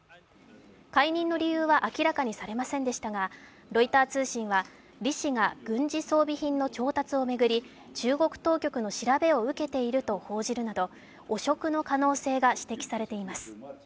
解任の理由は明らかにされませんでしたがロイター通信は、李氏が軍事装備品の調達を巡り、中国当局の調べを受けていると報じるなど、汚職の可能性が指摘されています。